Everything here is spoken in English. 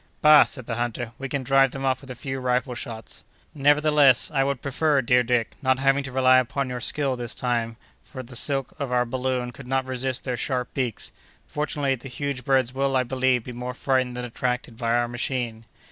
"Bah!" said the hunter, "we can drive them off with a few rifle shots." "Nevertheless, I would prefer, dear Dick, not having to rely upon your skill, this time, for the silk of our balloon could not resist their sharp beaks; fortunately, the huge birds will, I believe, be more frightened than attracted by our machine."